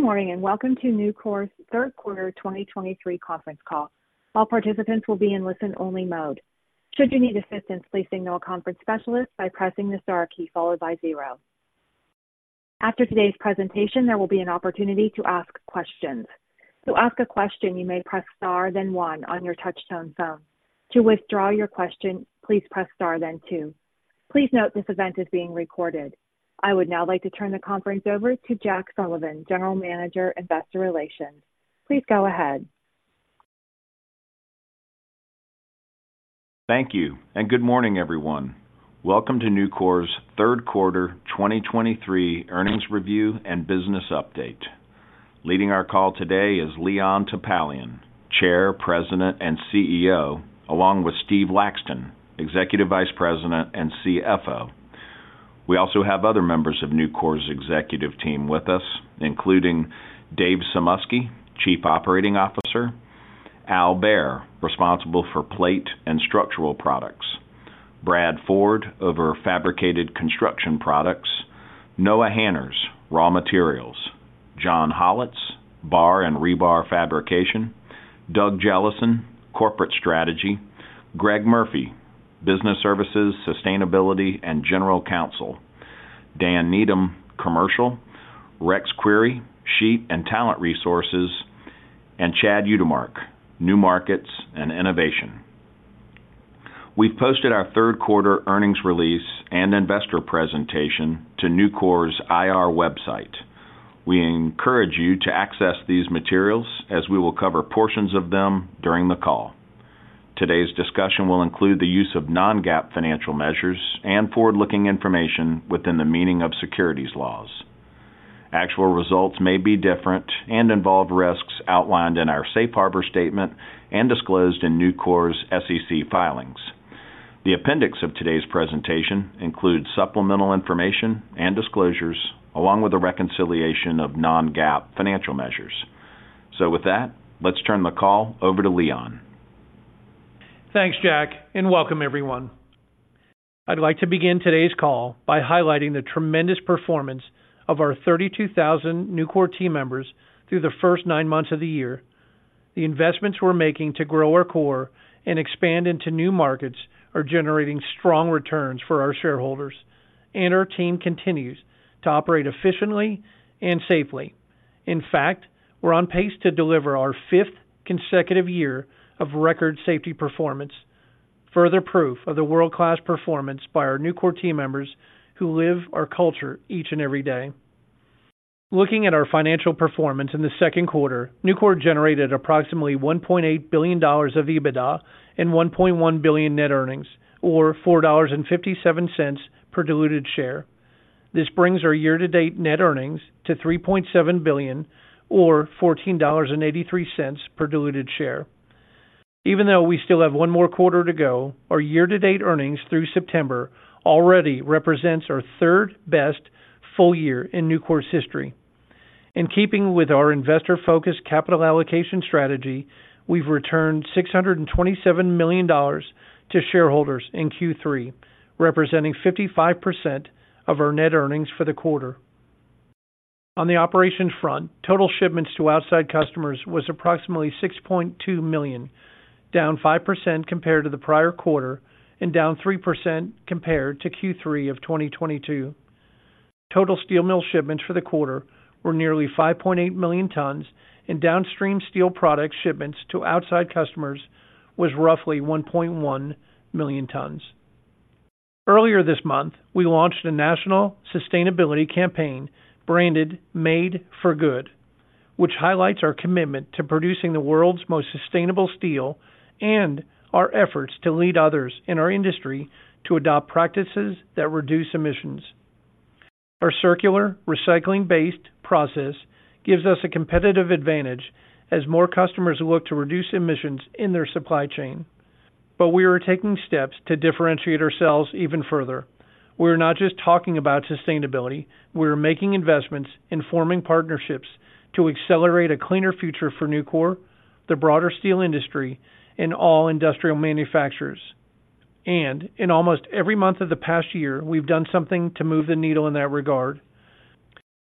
Good morning, and welcome to Nucor's Third Quarter 2023 Conference Call. All participants will be in listen-only mode. Should you need assistance, please signal a conference specialist by pressing the star key followed by zero. After today's presentation, there will be an opportunity to ask questions. To ask a question, you may press Star, then one on your touchtone phone. To withdraw your question, please press Star, then two. Please note, this event is being recorded. I would now like to turn the conference over to Jack Sullivan, General Manager, Investor Relations. Please go ahead. Thank you, and good morning, everyone. Welcome to Nucor's Third Quarter 2023 Earnings Review and Business Update. Leading our call today is Leon Topalian, Chair, President, and CEO, along with Steve Laxton, Executive Vice President and CFO. We also have other members of Nucor's executive team with us, including Dave Sumoski, Chief Operating Officer, Al Behr, responsible for Plate and Structural Products, Brad Ford, over Fabricated Construction Products, Noah Hanners, Raw Materials, John Hollatz, Bar and Rebar Fabrication, Doug Jellison, Corporate Strategy, Greg Murphy, Business Services, Sustainability, and General Counsel, Dan Needham, Commercial, Rex Query, Sheet and Talent Resources, and Chad Utermark, New Markets and Innovation. We've posted our third quarter earnings release and investor presentation to Nucor's IR website. We encourage you to access these materials as we will cover portions of them during the call. Today's discussion will include the use of non-GAAP financial measures and forward-looking information within the meaning of securities laws. Actual results may be different and involve risks outlined in our safe harbor statement and disclosed in Nucor's SEC filings. The appendix of today's presentation includes supplemental information and disclosures, along with a reconciliation of non-GAAP financial measures. With that, let's turn the call over to Leon. Thanks, Jack, and welcome everyone. I'd like to begin today's call by highlighting the tremendous performance of our 32,000 Nucor team members through the first nine months of the year. The investments we're making to grow our core and expand into new markets are generating strong returns for our shareholders, and our team continues to operate efficiently and safely. In fact, we're on pace to deliver our fifth consecutive year of record safety performance. Further proof of the world-class performance by our Nucor team members who live our culture each and every day. Looking at our financial performance in the second quarter, Nucor generated approximately $1.8 billion of EBITDA and $1.1 billion net earnings, or $4.57 per diluted share. This brings our year-to-date net earnings to $3.7 billion or $14.83 per diluted share. Even though we still have one more quarter to go, our year-to-date earnings through September already represents our third-best full year in Nucor's history. In keeping with our investor-focused capital allocation strategy, we've returned $627 million to shareholders in Q3, representing 55% of our net earnings for the quarter. On the operations front, total shipments to outside customers was approximately 6.2 million, down 5% compared to the prior quarter and down 3% compared to Q3 of 2022. Total steel mill shipments for the quarter were nearly 5.8 million tons, and downstream steel products shipments to outside customers was roughly 1.1 million tons. Earlier this month, we launched a national sustainability campaign branded Made for Good, which highlights our commitment to producing the world's most sustainable steel and our efforts to lead others in our industry to adopt practices that reduce emissions. Our circular, recycling-based process gives us a competitive advantage as more customers look to reduce emissions in their supply chain. We are taking steps to differentiate ourselves even further. We are not just talking about sustainability, we are making investments and forming partnerships to accelerate a cleaner future for Nucor, the broader steel industry, and all industrial manufacturers. In almost every month of the past year, we've done something to move the needle in that regard.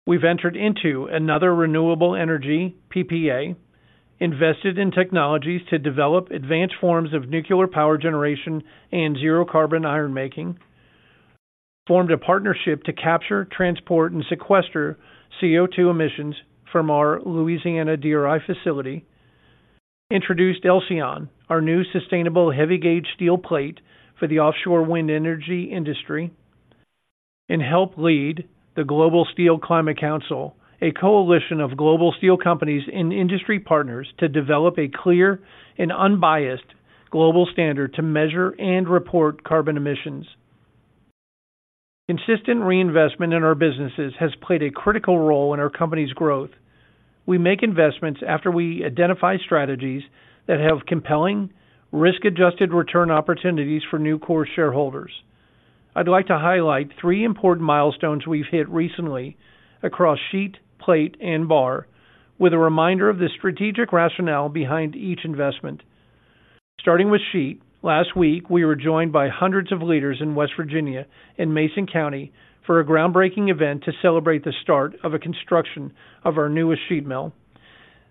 We've entered into another renewable energy PPA, invested in technologies to develop advanced forms of nuclear power generation and zero-carbon iron making, formed a partnership to capture, transport, and sequester CO2 emissions from our Louisiana DRI facility, introduced Elcyon, our new sustainable heavy-gauge steel plate for the offshore wind energy industry, and helped lead the Global Steel Climate Council, a coalition of global steel companies and industry partners, to develop a clear and unbiased global standard to measure and report carbon emissions. Consistent reinvestment in our businesses has played a critical role in our company's growth. We make investments after we identify strategies that have compelling risk-adjusted return opportunities for Nucor shareholders. I'd like to highlight three important milestones we've hit recently across sheet, plate, and bar, with a reminder of the strategic rationale behind each investment.... Starting with sheet, last week, we were joined by hundreds of leaders in West Virginia in Mason County for a groundbreaking event to celebrate the start of a construction of our newest sheet mill.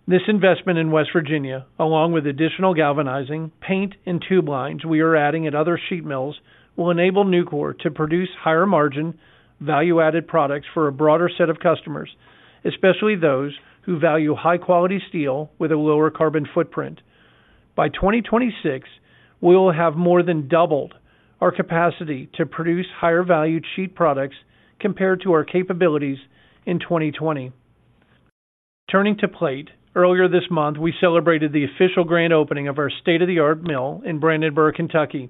This investment in West Virginia, along with additional galvanizing, paint, and tube lines we are adding at other sheet mills, will enable Nucor to produce higher margin, value-added products for a broader set of customers, especially those who value high-quality steel with a lower carbon footprint. By 2026, we will have more than doubled our capacity to produce higher valued sheet products compared to our capabilities in 2020. Turning to plate, earlier this month, we celebrated the official grand opening of our state-of-the-art mill in Brandenburg, Kentucky.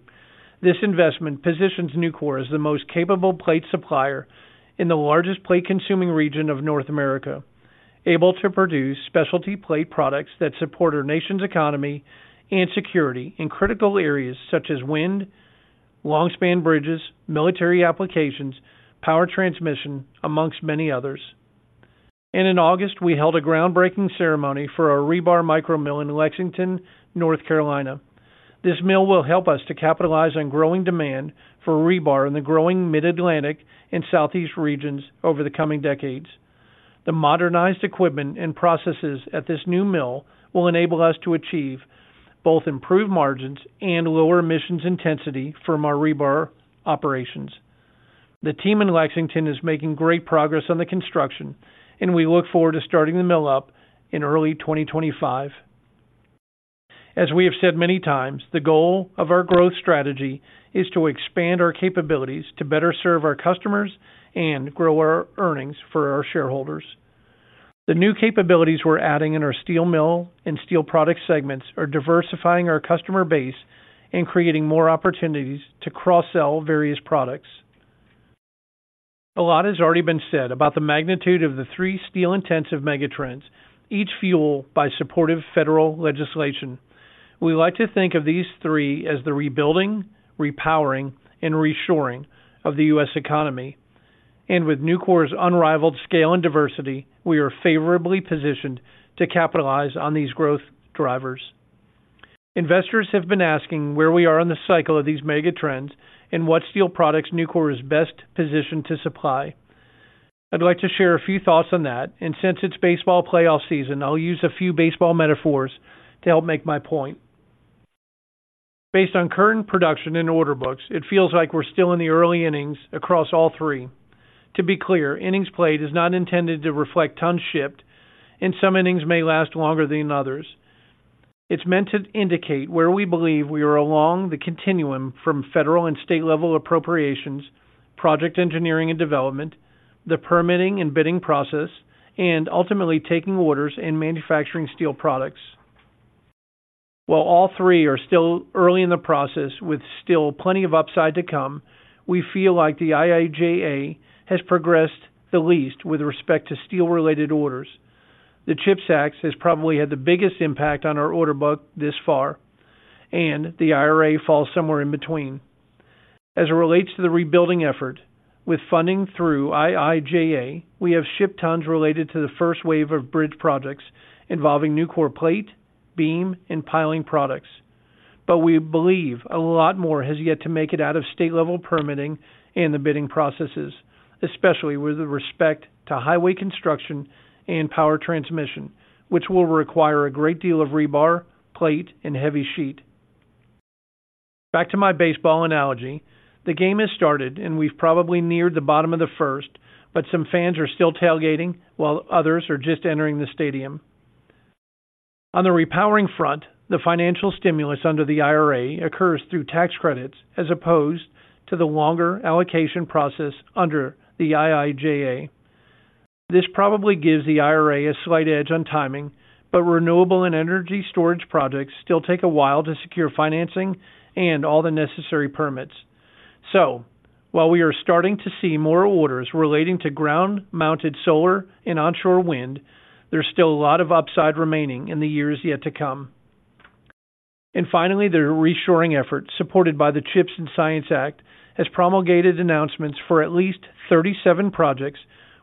This investment positions Nucor as the most capable plate supplier in the largest plate-consuming region of North America, able to produce specialty plate products that support our nation's economy and security in critical areas such as wind, long-span bridges, military applications, power transmission, among many others. In August, we held a groundbreaking ceremony for our rebar micro mill in Lexington, North Carolina. This mill will help us to capitalize on growing demand for rebar in the growing Mid-Atlantic and Southeast regions over the coming decades. The modernized equipment and processes at this new mill will enable us to achieve both improved margins and lower emissions intensity from our rebar operations. The team in Lexington is making great progress on the construction, and we look forward to starting the mill up in early 2025. As we have said many times, the goal of our growth strategy is to expand our capabilities to better serve our customers and grow our earnings for our shareholders. The new capabilities we're adding in our steel mill and steel product segments are diversifying our customer base and creating more opportunities to cross-sell various products. A lot has already been said about the magnitude of the three steel-intensive megatrends, each fueled by supportive federal legislation. We like to think of these three as the rebuilding, repowering, and reshoring of the U.S. economy. And with Nucor's unrivaled scale and diversity, we are favorably positioned to capitalize on these growth drivers. Investors have been asking where we are in the cycle of these mega trends and what steel products Nucor is best positioned to supply. I'd like to share a few thoughts on that, and since it's baseball playoff season, I'll use a few baseball metaphors to help make my point. Based on current production and order books, it feels like we're still in the early innings across all three. To be clear, innings played is not intended to reflect tons shipped, and some innings may last longer than others. It's meant to indicate where we believe we are along the continuum from federal and state-level appropriations, project engineering and development, the permitting and bidding process, and ultimately taking orders and manufacturing steel products. While all three are still early in the process with still plenty of upside to come, we feel like the IIJA has progressed the least with respect to steel-related orders. The CHIPS Act has probably had the biggest impact on our order book this far, and the IRA falls somewhere in between. As it relates to the rebuilding effort, with funding through IIJA, we have shipped tons related to the first wave of bridge projects involving Nucor plate, beam, and piling products. But we believe a lot more has yet to make it out of state-level permitting and the bidding processes, especially with respect to highway construction and power transmission, which will require a great deal of rebar, plate, and heavy sheet. Back to my baseball analogy, the game has started, and we've probably neared the bottom of the first, but some fans are still tailgating, while others are just entering the stadium. On the repowering front, the financial stimulus under the IRA occurs through tax credits as opposed to the longer allocation process under the IIJA. This probably gives the IRA a slight edge on timing, but renewable and energy storage projects still take a while to secure financing and all the necessary permits. So while we are starting to see more orders relating to ground-mounted solar and onshore wind, there's still a lot of upside remaining in the years yet to come. And finally, the reshoring effort, supported by the CHIPS and Science Act, has promulgated announcements for at least 37 projects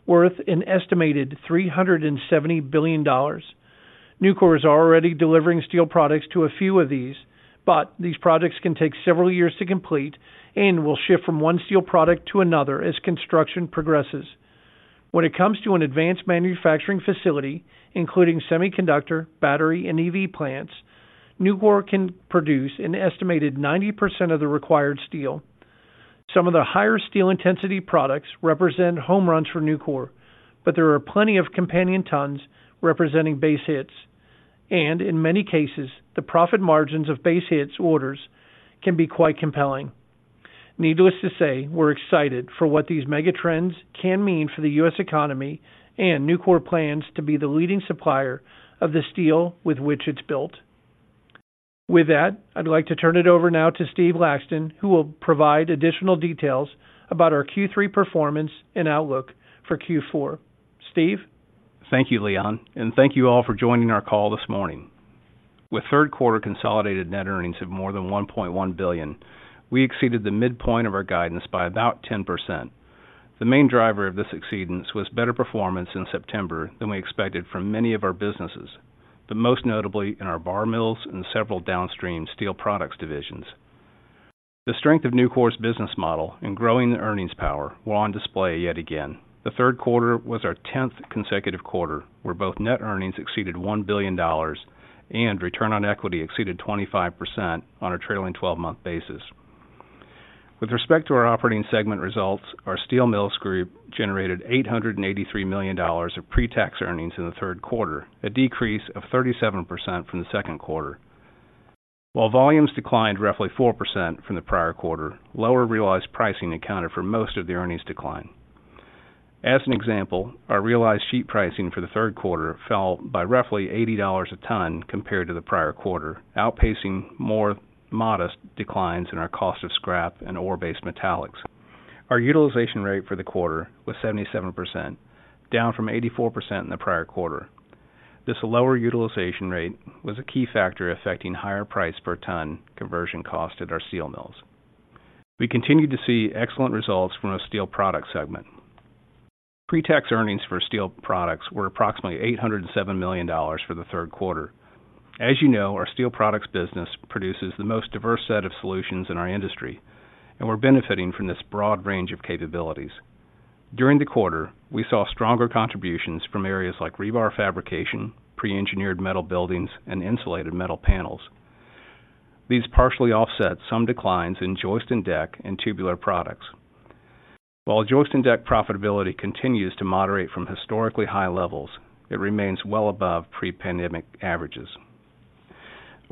worth an estimated $370 billion. Nucor is already delivering steel products to a few of these, but these projects can take several years to complete and will shift from one steel product to another as construction progresses. When it comes to an advanced manufacturing facility, including semiconductor, battery, and EV plants, Nucor can produce an estimated 90% of the required steel. Some of the higher steel intensity products represent home runs for Nucor, but there are plenty of companion tons representing base hits, and in many cases, the profit margins of base hits orders can be quite compelling. Needless to say, we're excited for what these mega trends can mean for the U.S. economy, and Nucor plans to be the leading supplier of the steel with which it's built. With that, I'd like to turn it over now to Steve Laxton, who will provide additional details about our Q3 performance and outlook for Q4. Steve? Thank you, Leon, and thank you all for joining our call this morning. With third quarter consolidated net earnings of more than $1.1 billion, we exceeded the midpoint of our guidance by about 10%. The main driver of this exceedance was better performance in September than we expected from many of our businesses, but most notably in our bar mills and several downstream steel products divisions. The strength of Nucor's business model in growing the earnings power were on display yet again. The third quarter was our 10th consecutive quarter, where both net earnings exceeded $1 billion and return on equity exceeded 25% on a trailing 12-month basis. With respect to our operating segment results, our steel mills group generated $883 million of pretax earnings in the third quarter, a decrease of 37% from the second quarter. While volumes declined roughly 4% from the prior quarter, lower realized pricing accounted for most of the earnings decline. As an example, our realized sheet pricing for the third quarter fell by roughly $80 a ton compared to the prior quarter, outpacing more modest declines in our cost of scrap and ore-based metallics. Our utilization rate for the quarter was 77%, down from 84% in the prior quarter. This lower utilization rate was a key factor affecting higher price per ton conversion cost at our steel mills. We continued to see excellent results from our steel product segment. Pretax earnings for steel products were approximately $807 million for the third quarter. As you know, our steel products business produces the most diverse set of solutions in our industry, and we're benefiting from this broad range of capabilities. During the quarter, we saw stronger contributions from areas like rebar fabrication, pre-engineered metal buildings and insulated metal panels. These partially offset some declines in joist and deck and tubular products. While joist and deck profitability continues to moderate from historically high levels, it remains well above pre-pandemic averages.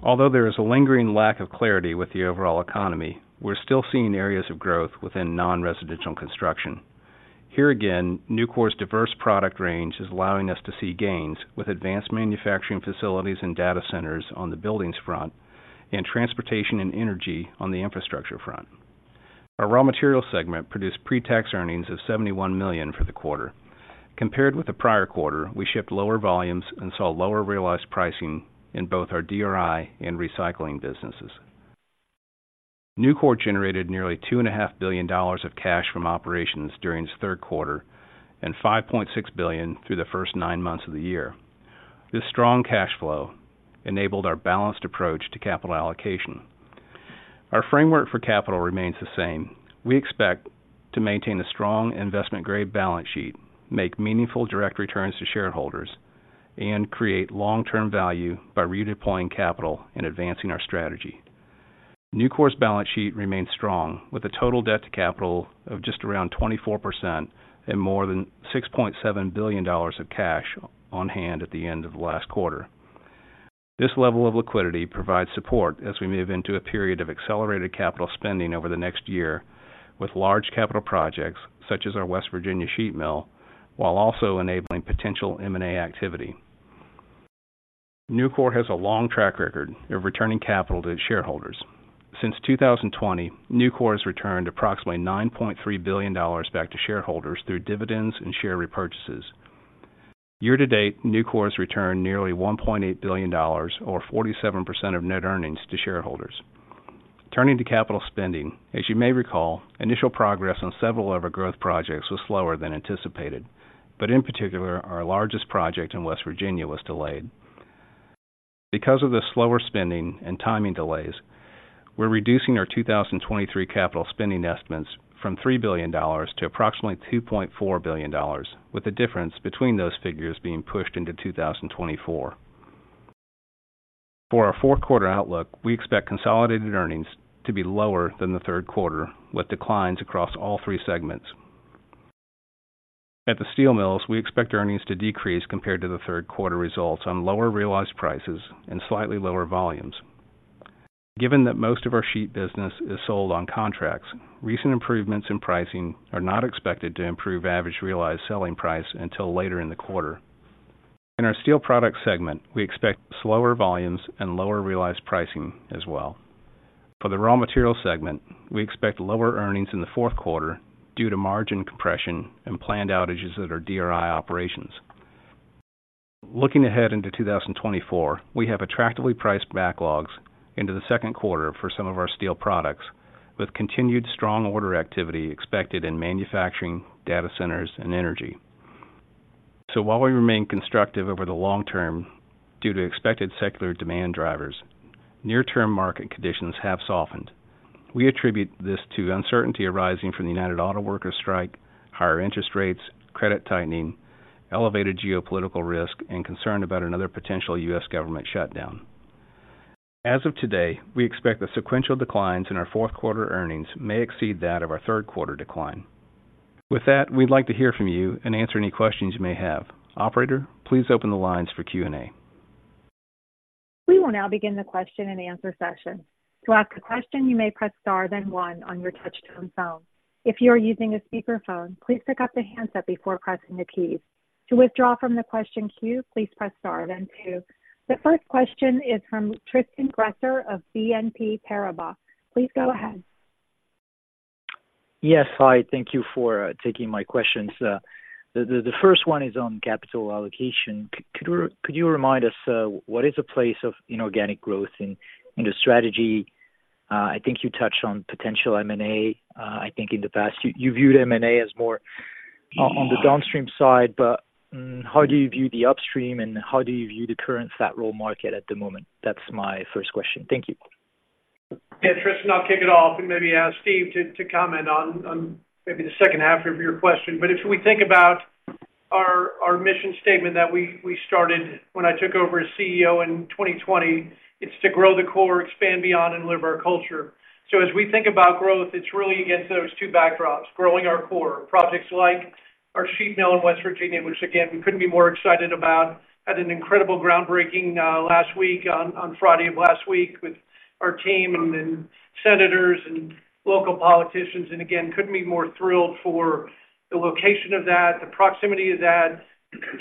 Although there is a lingering lack of clarity with the overall economy, we're still seeing areas of growth within non-residential construction. Here again, Nucor's diverse product range is allowing us to see gains with advanced manufacturing facilities and data centers on the buildings front and transportation and energy on the infrastructure front. Our raw material segment produced pretax earnings of $71 million for the quarter. Compared with the prior quarter, we shipped lower volumes and saw lower realized pricing in both our DRI and recycling businesses. Nucor generated nearly $2.5 billion of cash from operations during its third quarter and $5.6 billion through the first nine months of the year. This strong cash flow enabled our balanced approach to capital allocation. Our framework for capital remains the same. We expect to maintain a strong investment-grade balance sheet, make meaningful direct returns to shareholders, and create long-term value by redeploying capital and advancing our strategy. Nucor's balance sheet remains strong, with a total debt to capital of just around 24% and more than $6.7 billion of cash on hand at the end of the last quarter. This level of liquidity provides support as we move into a period of accelerated capital spending over the next year, with large capital projects such as our West Virginia sheet mill, while also enabling potential M&A activity. Nucor has a long track record of returning capital to its shareholders. Since 2020, Nucor has returned approximately $9.3 billion back to shareholders through dividends and share repurchases. Year to date, Nucor has returned nearly $1.8 billion, or 47% of net earnings, to shareholders. Turning to capital spending, as you may recall, initial progress on several of our growth projects was slower than anticipated, but in particular, our largest project in West Virginia was delayed. Because of the slower spending and timing delays, we're reducing our 2023 capital spending estimates from $3 billion to approximately $2.4 billion, with the difference between those figures being pushed into 2024. For our fourth quarter outlook, we expect consolidated earnings to be lower than the third quarter, with declines across all three segments. At the steel mills, we expect earnings to decrease compared to the third quarter results on lower realized prices and slightly lower volumes. Given that most of our sheet business is sold on contracts, recent improvements in pricing are not expected to improve average realized selling price until later in the quarter. In our steel products segment, we expect slower volumes and lower realized pricing as well. For the raw material segment, we expect lower earnings in the fourth quarter due to margin compression and planned outages at our DRI operations. Looking ahead into 2024, we have attractively priced backlogs into the second quarter for some of our steel products, with continued strong order activity expected in manufacturing, data centers and energy. So while we remain constructive over the long term due to expected secular demand drivers, near-term market conditions have softened. We attribute this to uncertainty arising from the United Auto Workers strike, higher interest rates, credit tightening, elevated geopolitical risk, and concern about another potential U.S. government shutdown. As of today, we expect the sequential declines in our fourth quarter earnings may exceed that of our third quarter decline. With that, we'd like to hear from you and answer any questions you may have. Operator, please open the lines for Q&A. We will now begin the question-and-answer session. To ask a question, you may press star, then one on your touchtone phone. If you are using a speakerphone, please pick up the handset before pressing the keys. To withdraw from the question queue, please press star, then two. The first question is from Tristan Gresser of BNP Paribas. Please go aheadS Yes. Hi, thank you for taking my questions. The first one is on capital allocation. Could you remind us what is the place of inorganic growth in the strategy? I think you touched on potential M&A. I think in the past, you viewed M&A as more on the downstream side, but how do you view the upstream, and how do you view the current flat roll market at the moment? That's my first question. Thank you. Yeah, Tristan, I'll kick it off and maybe ask Steve to comment on maybe the second half of your question. But if we think about our mission statement that we started when I took over as CEO in 2020, it's to grow the core, expand beyond, and live our culture. So as we think about growth, it's really against those two backdrops, growing our core. Projects like our sheet mill in West Virginia, which again, we couldn't be more excited about, had an incredible groundbreaking last week, on Friday of last week, with our team and senators and local politicians. And again, couldn't be more thrilled for the location of that, the proximity of that,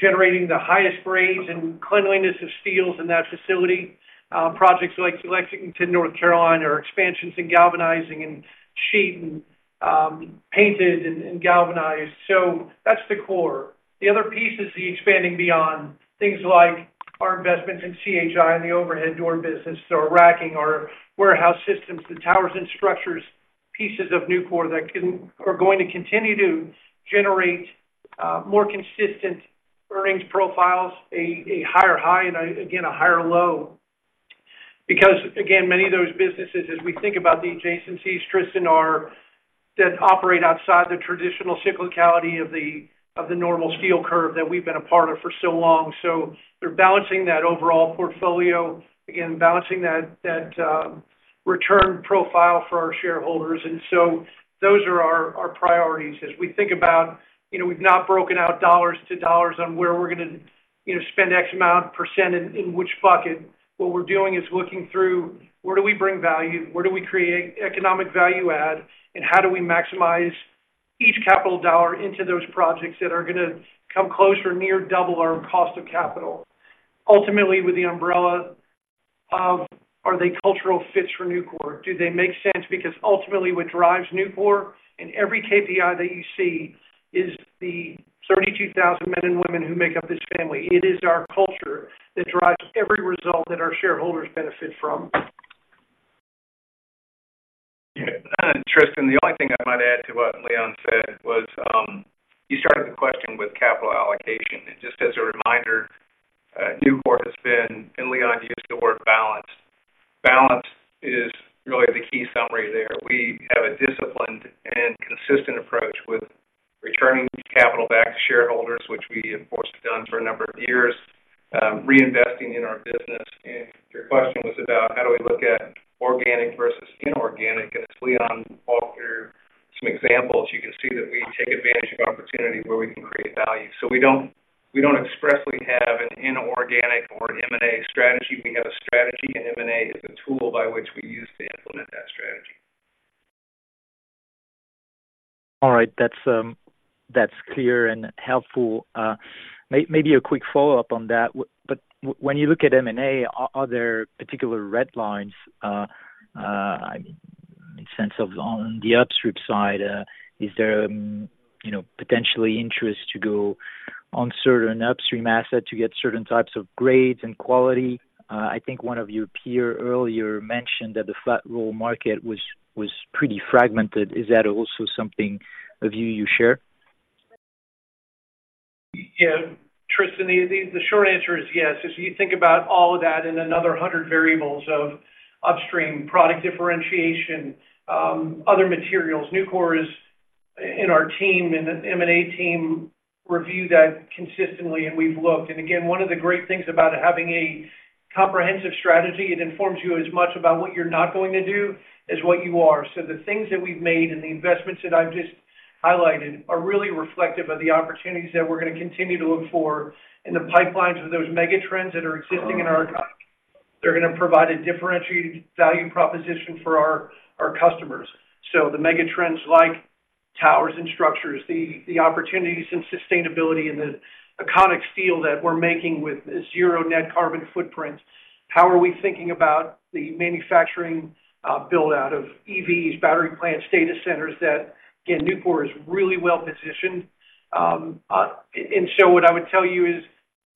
generating the highest grades and cleanliness of steels in that facility. Projects like Lexington, North Carolina, or expansions in galvanizing and sheet and, painted and, and galvanized. So that's the core. The other piece is the expanding beyond. Things like our investments in CHI and the overhead door business, so racking our warehouse systems, the towers and structures, pieces of Nucor that are going to continue to generate more consistent earnings profiles, a higher high and, again, a higher low. Because, again, many of those businesses, as we think about the adjacencies, Tristan, are that operate outside the traditional cyclicality of the normal steel curve that we've been a part of for so long. So they're balancing that overall portfolio, again, balancing that return profile for our shareholders. And so those are our priorities. As we think about, you know, we've not broken out dollars to dollars on where we're gonna, you know, spend X amount percent in, in which bucket. What we're doing is looking through where do we bring value, where do we create economic value added, and how do we maximize each capital dollar into those projects that are gonna come close or near double our cost of capital? Ultimately, with the umbrella of, are they cultural fits for Nucor? Do they make sense? Because ultimately, what drives Nucor, in every KPI that you see, is the 32,000 men and women who make up this family. It is our culture that drives every result that our shareholders benefit from. Yeah, Tristan, the only thing I might add to what Leon said was, you started the question with capital allocation. And just as a reminder, Nucor has been, and Leon used the word balanced. Balanced is really the key summary there. We have a disciplined and consistent approach with returning capital back to shareholders, which we of course, have done for a number of years, reinvesting in our business. And your question was about how do we look at organic versus inorganic? And as Leon walked through some examples, you can see that we take advantage of opportunities where we can create value. So we don't, we don't expressly have an inorganic or an M&A strategy. We have a strategy, and M&A is a tool by which we use to implement that strategy. All right. That's, that's clear and helpful. Maybe a quick follow-up on that. But when you look at M&A, are there particular red lines in sense of on the upstream side, is there you know, potentially interest to go on certain upstream asset to get certain types of grades and quality? I think one of your peer earlier mentioned that the flat roll market was pretty fragmented. Is that also something, a view you share? Yeah, Tristan, the short answer is yes. If you think about all of that and another hundred variables of upstream product differentiation, other materials, Nucor is, in our team, and the M&A team review that consistently, and we've looked. And again, one of the great things about having a comprehensive strategy, it informs you as much about what you're not going to do, as what you are. So the things that we've made and the investments that I've just highlighted are really reflective of the opportunities that we're gonna continue to look for in the pipelines of those megatrends that are existing in our economy. They're gonna provide a differentiated value proposition for our, our customers. So the megatrends like towers and structures, the opportunities in sustainability and the iconic steel that we're making with zero net carbon footprint, how are we thinking about the manufacturing, build-out of EVs, battery plants, data centers, that again Nucor is really well positioned. And so what I would tell you is,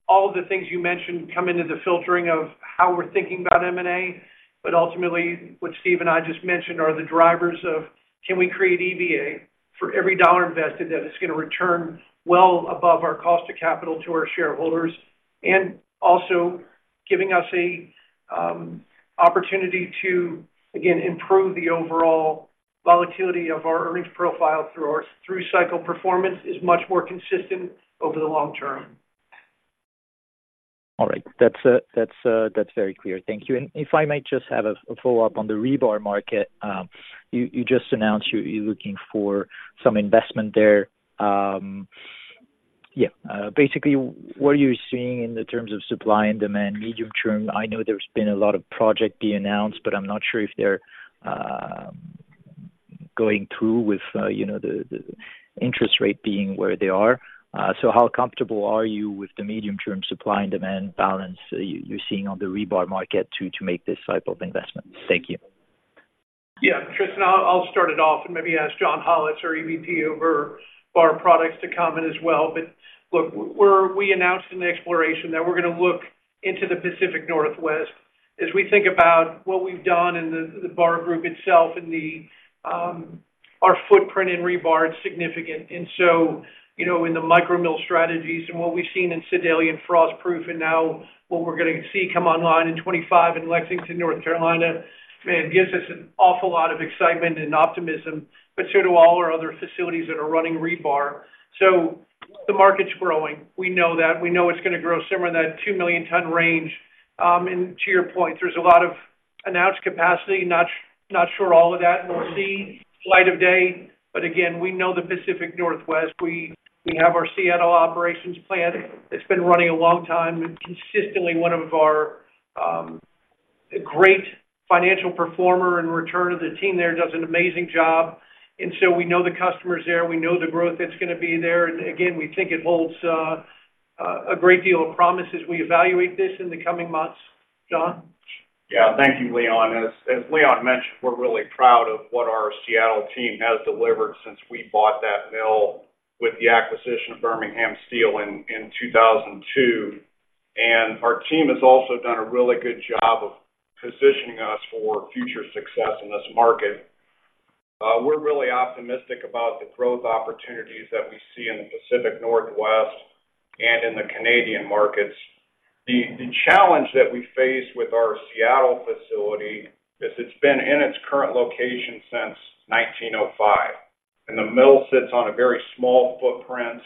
all of the things you mentioned come into the filtering of how we're thinking about M&A, but ultimately, what Steve and I just mentioned are the drivers of, can we create EVA for every dollar invested, that it's gonna return well above our cost of capital to our shareholders, and also giving us a opportunity to, again, improve the overall volatility of our earnings profile through our through cycle performance is much more consistent over the long term. All right. That's very clear. Thank you. If I might just have a follow-up on the rebar market. You just announced you're looking for some investment there. Basically, what are you seeing in the terms of supply and demand medium term? I know there's been a lot of projects being announced, but I'm not sure if they're going through with, you know, the interest rate being where they are. So how comfortable are you with the medium-term supply and demand balance you're seeing on the rebar market to make this type of investment? Thank you. Yeah, Tristan, I'll start it off and maybe ask John Hollatz, our EVP over bar products, to comment as well. But look, we're announcing an exploration that we're gonna look into the Pacific Northwest as we think about what we've done in the bar group itself and our footprint in rebar, it's significant. And so, you know, in the micro mill strategies and what we've seen in Sedalia and Frostproof, and now what we're gonna see come online in 2025 in Lexington, North Carolina, it gives us an awful lot of excitement and optimism, but so do all our other facilities that are running rebar. So the market's growing. We know that. We know it's gonna grow somewhere in that 2 million ton range. And to your point, there's a lot of announced capacity. Not sure all of that will see the light of day, but again, we know the Pacific Northwest. We have our Seattle operations plant. It's been running a long time, and consistently one of our great financial performers, and the team there does an amazing job. And so we know the customers there, we know the growth that's gonna be there. And again, we think it holds a great deal of promise as we evaluate this in the coming months. John? Yeah. Thank you, Leon. As Leon mentioned, we're really proud of what our Seattle team has delivered since we bought that mill with the acquisition of Birmingham Steel in 2002. Our team has also done a really good job of positioning us for future success in this market. We're really optimistic about the growth opportunities that we see in the Pacific Northwest and in the Canadian markets. The challenge that we face with our Seattle facility is it's been in its current location since 1905, and the mill sits on a very small footprint.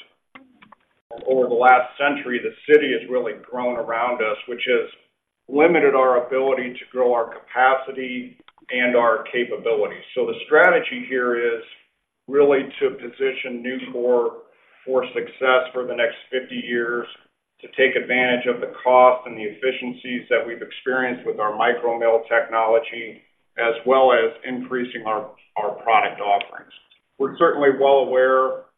Over the last century, the city has really grown around us, which has limited our ability to grow our capacity and our capabilities. So the strategy here is really to position Nucor for success for the next 50 years, to take advantage of the cost and the efficiencies that we've experienced with our micro mill technology, as well as increasing our product offerings. We're certainly well aware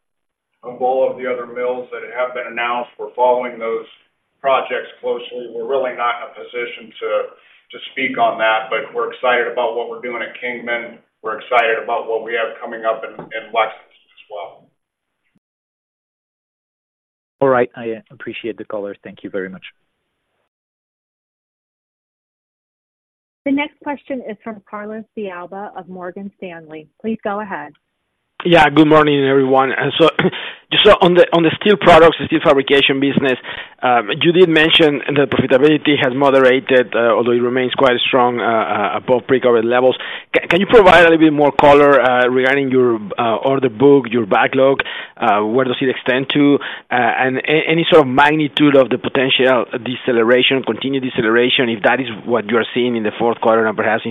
of all of the other mills that have been announced. We're following those projects closely. We're really not in a position to speak on that, but we're excited about what we're doing at Kingman. We're excited about what we have coming up in Lexington as well. All right. I appreciate the color. Thank you very much. The next question is from Carlos de Alba of Morgan Stanley. Please go ahead. Yeah. Good morning, everyone. And so on the steel products, the steel fabrication business, you did mention that profitability has moderated, although it remains quite strong, above pre-COVID levels. Can you provide a little bit more color regarding your order book, your backlog? Where does it extend to? And any sort of magnitude of the potential deceleration, continued deceleration, if that is what you're seeing in the fourth quarter and perhaps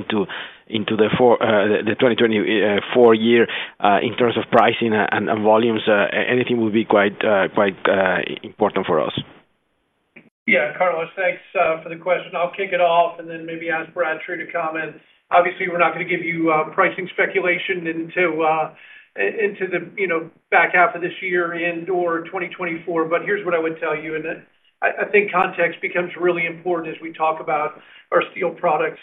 into the 2024 year, in terms of pricing and volumes? Anything will be quite important for us. Yeah, Carlos, thanks for the question. I'll kick it off and then maybe ask Brad Ford to comment. Obviously, we're not gonna give you pricing speculation into the, you know, back half of this year and or 2024, but here's what I would tell you, and I think context becomes really important as we talk about our steel products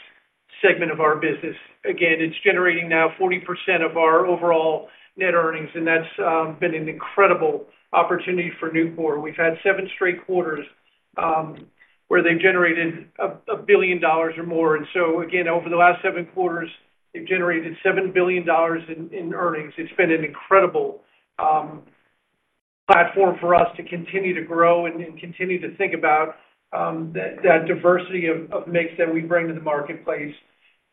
segment of our business. Again, it's generating now 40% of our overall net earnings, and that's been an incredible opportunity for Nucor. We've had seven straight quarters where they've generated $1 billion or more. And so again, over the last seven quarters, they've generated $7 billion in earnings. It's been an incredible platform for us to continue to grow and continue to think about that diversity of mix that we bring to the marketplace.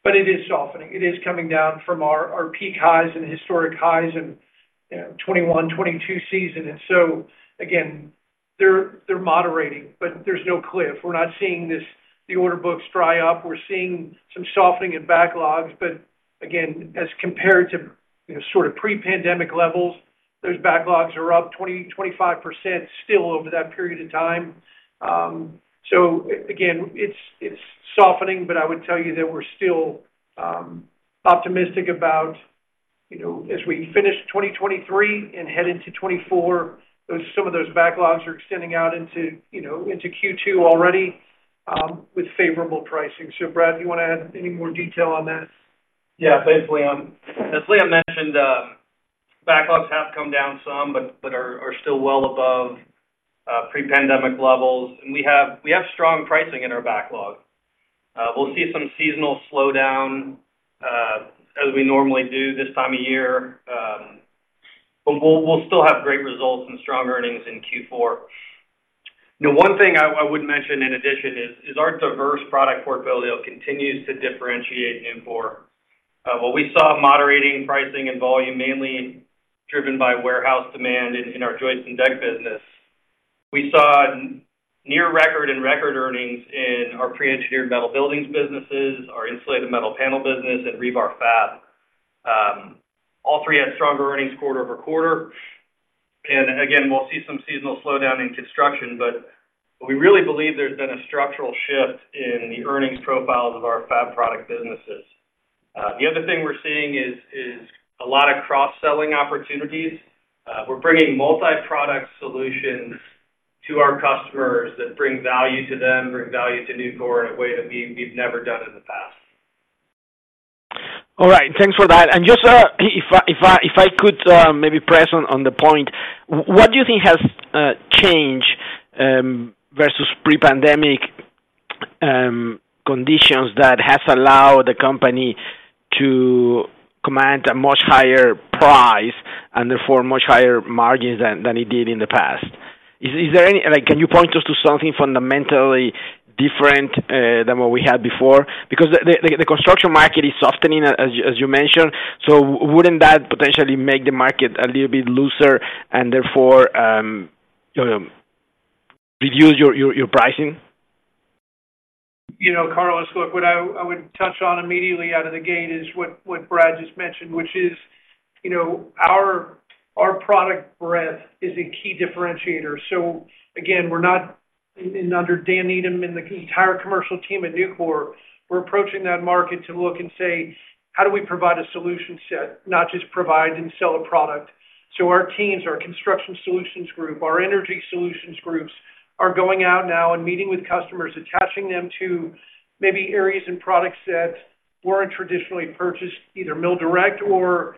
But it is softening. It is coming down from our peak highs and historic highs in, you know, 2021, 2022 season. And so again, they're moderating, but there's no cliff. We're not seeing the order books dry up. We're seeing some softening in backlogs, but again, as compared to, you know, sort of pre-pandemic levels, those backlogs are up 20%-25% still over that period of time. So again, it's softening, but I would tell you that we're still optimistic about, you know, as we finish 2023 and head into 2024, some of those backlogs are extending out into, you know, into Q2 already, with favorable pricing. So Brad, you want to add any more detail on that? Yeah, thanks, Leon. As Leon mentioned, backlogs have come down some, but are still well above pre-pandemic levels, and we have strong pricing in our backlog. We'll see some seasonal slowdown, as we normally do this time of year, but we'll still have great results and strong earnings in Q4. You know, one thing I would mention in addition is our diverse product portfolio continues to differentiate Nucor. What we saw, moderating pricing and volume, mainly driven by warehouse demand in our joints and deck business. We saw near record and record earnings in our pre-engineered metal buildings businesses, our insulated metal panel business, and rebar fab. All three had stronger earnings quarter-over-quarter. Again, we'll see some seasonal slowdown in construction, but we really believe there's been a structural shift in the earnings profiles of our fab product businesses. The other thing we're seeing is a lot of cross-selling opportunities. We're bringing multi-product solutions to our customers that bring value to them, bring value to Nucor in a way that we've never done in the past.... All right, thanks for that. And just, if I could, maybe press on the point, what do you think has changed versus pre-pandemic conditions that has allowed the company to command a much higher price and therefore much higher margins than it did in the past? Is there any—like, can you point us to something fundamentally different than what we had before? Because the construction market is softening, as you mentioned, so wouldn't that potentially make the market a little bit looser and therefore, you know, reduce your pricing? You know, Carlos, look, what I, I would touch on immediately out of the gate is what, what Brad just mentioned, which is, you know, our, our product breadth is a key differentiator. So again, we're not, and under Dan Needham and the entire commercial team at Nucor, we're approaching that market to look and say: How do we provide a solution set, not just provide and sell a product? So our teams, our construction solutions group, our energy solutions groups, are going out now and meeting with customers, attaching them to maybe areas and products that weren't traditionally purchased, either mill direct or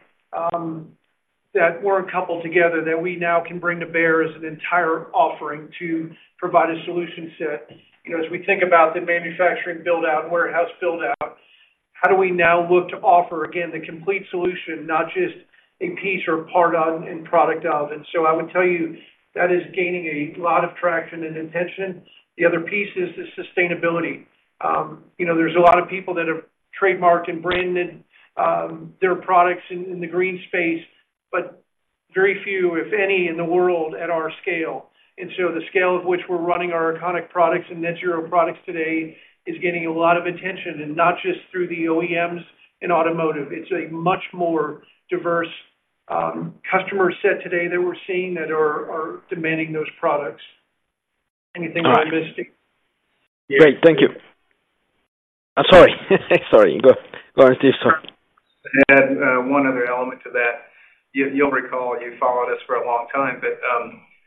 that weren't coupled together, that we now can bring to bear as an entire offering to provide a solution set. You know, as we think about the manufacturing build-out and warehouse build-out, how do we now look to offer, again, the complete solution, not just a piece or part of and product of? And so I would tell you, that is gaining a lot of traction and attention. The other piece is the sustainability. You know, there's a lot of people that have trademarked and branded their products in, in the green space, but very few, if any, in the world at our scale. And so the scale of which we're running our Econiq products and net-zero products today is getting a lot of attention, and not just through the OEMs in automotive. It's a much more diverse customer set today that we're seeing that are, are demanding those products. Anything I'm missing? Great. Thank you. I'm sorry. Sorry. Go, go ahead. Sorry. Add one other element to that. You'll recall, you followed us for a long time, but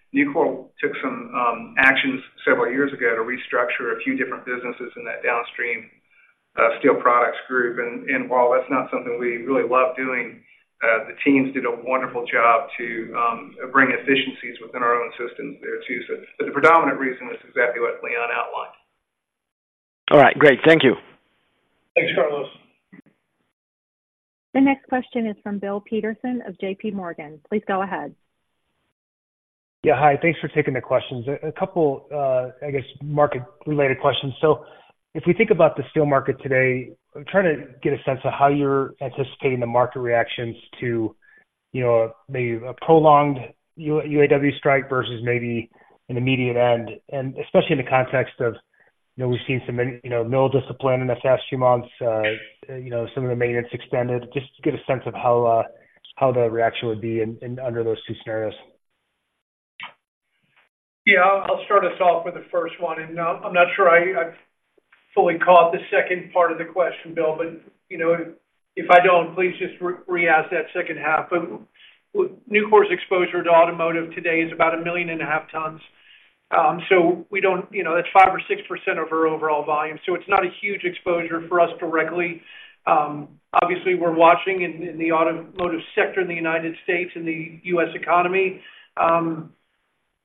Nucor took some actions several years ago to restructure a few different businesses in that downstream steel products group. And while that's not something we really love doing, the teams did a wonderful job to bring efficiencies within our own systems there, too. So but the predominant reason was exactly what Leon outlined. All right, great. Thank you. Thanks, Carlos. The next question is from Bill Peterson of JPMorgan. Please go ahead. Yeah, hi. Thanks for taking the questions. A couple, I guess, market-related questions. So if we think about the steel market today, I'm trying to get a sense of how you're anticipating the market reactions to, you know, maybe a prolonged UAW strike versus maybe an immediate end, and especially in the context of, you know, we've seen some, you know, mill discipline in the past few months, you know, some of the maintenance extended, just to get a sense of how the reaction would be under those two scenarios. Yeah, I'll start us off with the first one, and I'm not sure I've fully caught the second part of the question, Bill, but you know, if I don't, please just reask that second half. But Nucor's exposure to automotive today is about 1.5 million tons. So we don't... You know, that's 5% or 6% of our overall volume, so it's not a huge exposure for us directly. Obviously, we're watching in the automotive sector in the United States and the U.S. economy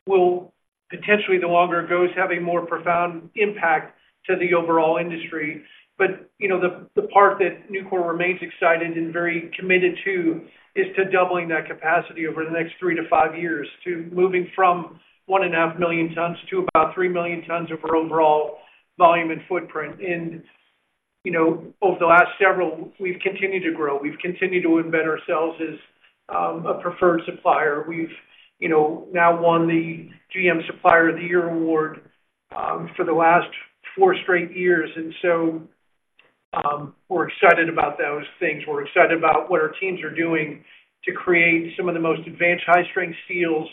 will potentially, the longer it goes, have a more profound impact to the overall industry. But, you know, the part that Nucor remains excited and very committed to, is to doubling that capacity over the next three to five years, to moving from 1.5 million tons to about 3 million tons of our overall volume and footprint. And, you know, over the last several, we've continued to grow. We've continued to embed ourselves as a preferred supplier. We've, you know, now won the GM Supplier of the Year award for the last four straight years, and so, we're excited about those things. We're excited about what our teams are doing to create some of the most advanced high-strength steels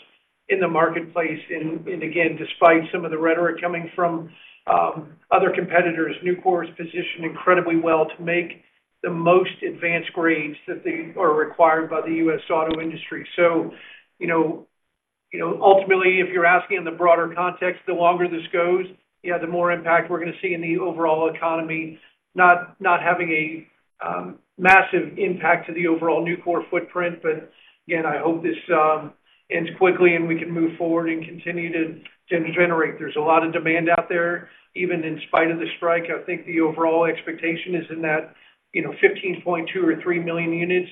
in the marketplace. And again, despite some of the rhetoric coming from other competitors, Nucor is positioned incredibly well to make the most advanced grades that they are required by the U.S. auto industry. So, you know, you know, ultimately, if you're asking in the broader context, the longer this goes, yeah, the more impact we're going to see in the overall economy, not, not having a massive impact to the overall Nucor footprint. But again, I hope this ends quickly, and we can move forward and continue to generate. There's a lot of demand out there, even in spite of the strike. I think the overall expectation is in that, you know, 15.2 or 15.3 million units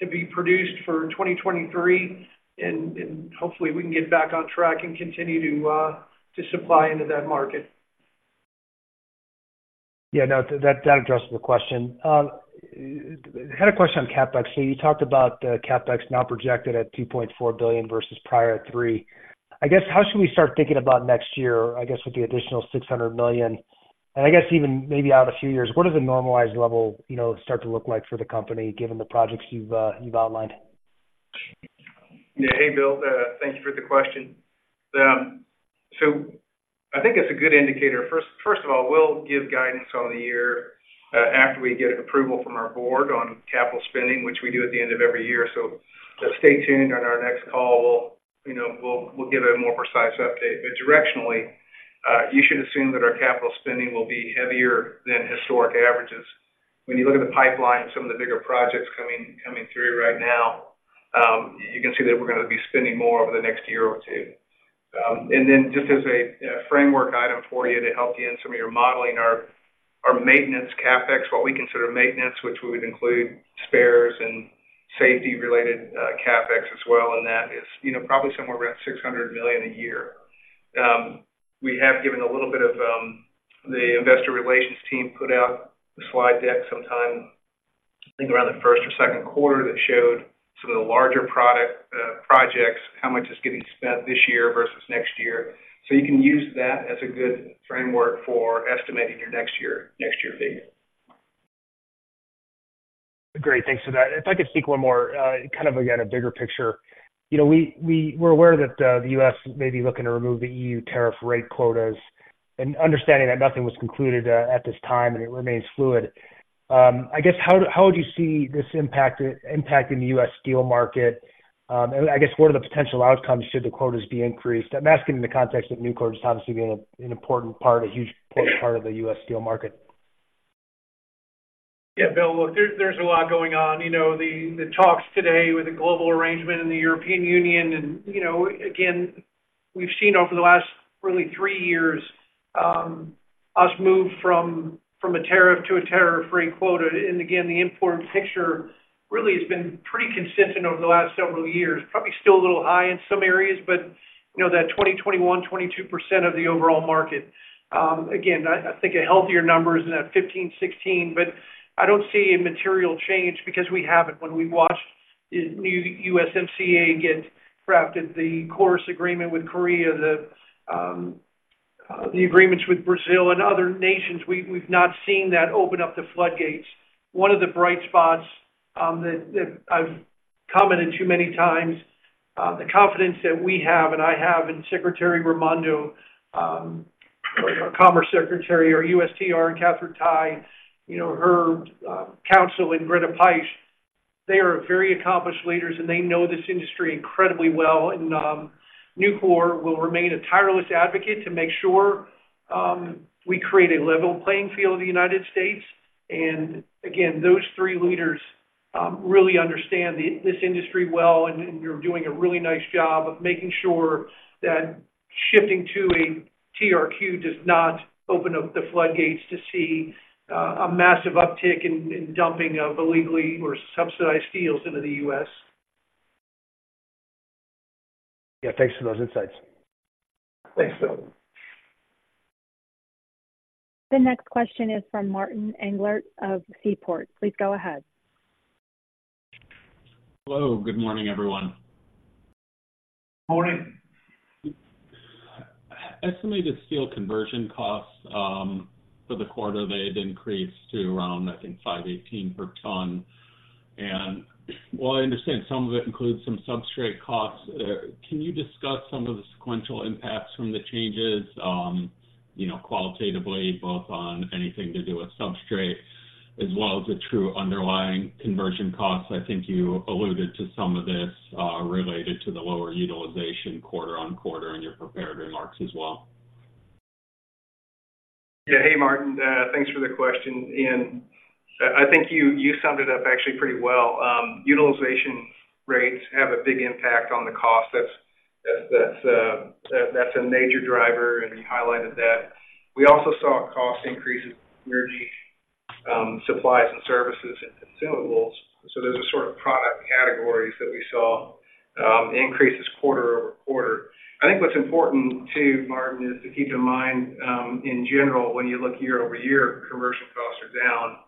to be produced for 2023, and, and hopefully, we can get back on track and continue to supply into that market. Yeah, no, that, that addresses the question. Had a question on CapEx. So you talked about the CapEx now projected at $2.4 billion versus prior at $3 billion. I guess, how should we start thinking about next year, I guess, with the additional $600 million? And I guess even maybe out a few years, what does a normalized level, you know, start to look like for the company, given the projects you've outlined? Yeah. Hey, Bill, thank you for the question. So I think it's a good indicator. First of all, we'll give guidance on the year after we get approval from our board on capital spending, which we do at the end of every year. So just stay tuned on our next call, we'll, you know, we'll give a more precise update. But directionally, you should assume that our capital spending will be heavier than historic averages. When you look at the pipeline, some of the bigger projects coming through right now, you can see that we're gonna be spending more over the next year or two. And then just as a framework item for you to help you in some of your modeling, our maintenance CapEx, what we consider maintenance, which we would include spares and safety-related CapEx as well, and that is, you know, probably somewhere around $600 million a year. We have given a little bit of... the investor relations team put out a slide deck sometime, I think, around the first or second quarter, that showed some of the larger product projects, how much is getting spent this year versus next year. So you can use that as a good framework for estimating your next year, next year figure. Great. Thanks for that. If I could seek one more, kind of, again, a bigger picture. You know, we're aware that the U.S. may be looking to remove the E.U. tariff rate quotas and understanding that nothing was concluded at this time, and it remains fluid. I guess, how would you see this impacting the U.S. steel market? And I guess, what are the potential outcomes should the quotas be increased? I'm asking in the context of Nucor just obviously being an important part, a huge part of the U.S. steel market. Yeah, Bill, look, there's a lot going on. You know, the talks today with the global arrangement in the European Union and, you know, again, we've seen over the last really three years, us move from a tariff to a tariff-free quota. And again, the import picture really has been pretty consistent over the last several years. Probably still a little high in some areas, but you know, that 20%-22% of the overall market. Again, I think a healthier number is in that 15%-16%, but I don't see a material change because we haven't. When we watched the new USMCA get crafted, the KORUS agreement with Korea, the agreements with Brazil and other nations, we've not seen that open up the floodgates. One of the bright spots that I've commented to many times, the confidence that we have and I have in Secretary Raimondo, our Commerce Secretary, our USTR, Katherine Tai, you know, her counsel in Greta Peisch, they are very accomplished leaders, and they know this industry incredibly well. Nucor will remain a tireless advocate to make sure we create a level playing field in the United States. Again, those three leaders really understand this industry well and we're doing a really nice job of making sure that shifting to a TRQ does not open up the floodgates to see a massive uptick in dumping of illegally or subsidized steels into the U.S. Yeah. Thanks for those insights. Thanks, Bill. The next question is from Martin Englert of Seaport. Please go ahead. Hello, good morning, everyone. Morning. Estimated steel conversion costs, for the quarter, they've increased to around, I think, $518 per ton. And while I understand some of it includes some substrate costs, can you discuss some of the sequential impacts from the changes, you know, qualitatively, both on anything to do with substrate as well as the true underlying conversion costs? I think you alluded to some of this, related to the lower utilization quarter-on-quarter in your prepared remarks as well. Yeah. Hey, Martin, thanks for the question, and I think you summed it up actually pretty well. Utilization rates have a big impact on the cost. That's a major driver, and you highlighted that. We also saw cost increases, energy, supplies and services, and consumables. So those are sort of product categories that we saw increases quarter-over-quarter. I think what's important too, Martin, is to keep in mind, in general, when you look year-over-year, conversion costs are down,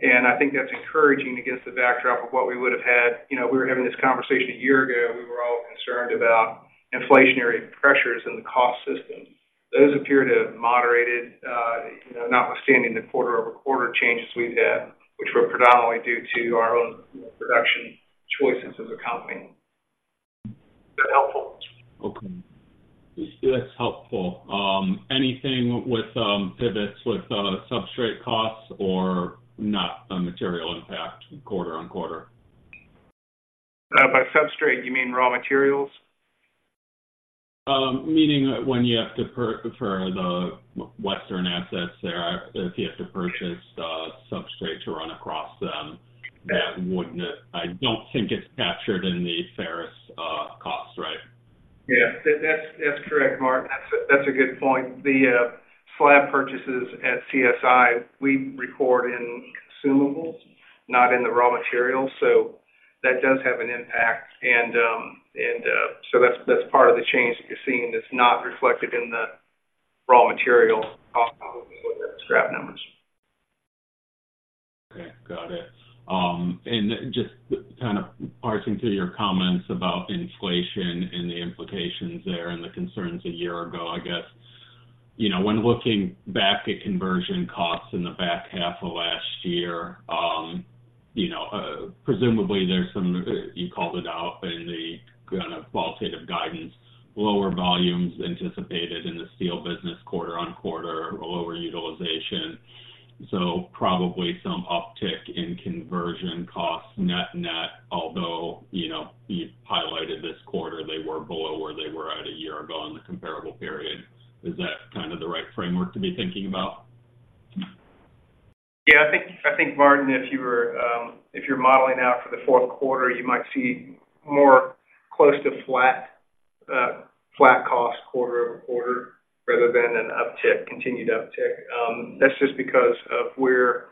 and I think that's encouraging against the backdrop of what we would have had. You know, if we were having this conversation a year ago, we were all concerned about inflationary pressures in the cost system. Those appear to have moderated, you know, notwithstanding the quarter-over-quarter changes we've had, which were predominantly due to our own production choices as a company. Is that helpful? Okay. That's helpful. Anything with pivots with substrate costs or not a material impact quarter on quarter? By substrate, you mean raw materials? Meaning when you have to purchase for the western assets there, if you have to purchase the substrate to run across them, that wouldn't... I don't think it's captured in the ferrous costs, right? Yeah. That's correct, Martin. That's a good point. The slab purchases at CSI, we record in consumables, not in the raw materials, so that does have an impact. And so that's part of the change that you're seeing that's not reflected in the raw material costs with the scrap numbers. Okay, got it. And just kind of parsing through your comments about inflation and the implications there and the concerns a year ago, I guess. You know, when looking back at conversion costs in the back half of last year, you know, presumably there's some, you called it out in the kind of qualitative guidance, lower volumes anticipated in the steel business quarter on quarter, a lower utilization.... So probably some uptick in conversion costs net-net, although, you know, you've highlighted this quarter, they were below where they were at a year ago in the comparable period. Is that kind of the right framework to be thinking about? Yeah, I think, Martin, if you're modeling out for the fourth quarter, you might see more close to flat, flat cost quarter over quarter rather than an uptick, continued uptick. That's just because of where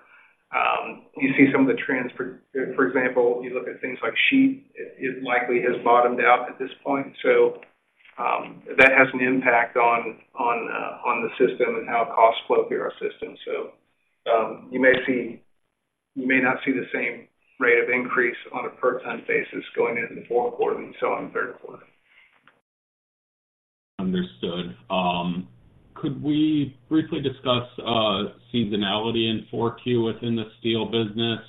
you see some of the trends. For example, you look at things like sheet, it likely has bottomed out at this point, so that has an impact on the system and how costs flow through our system. So, you may not see the same rate of increase on a per ton basis going into the fourth quarter than you saw in the third quarter. Understood. Could we briefly discuss seasonality in 4Q within the steel business?